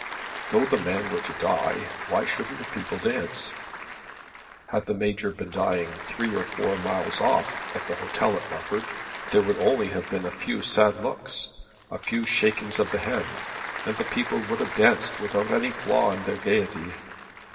Though the man were to die why shouldn't the people dance? Had the Major been dying three or four miles off, at the hotel at Rufford, there would only have been a few sad looks, a few shakings of the head, and the people would have danced without any flaw in their gaiety.